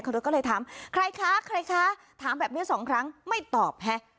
รถก็เลยถามใครคะใครคะถามแบบนี้สองครั้งไม่ตอบฮะ